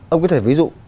ông có thể ví dụ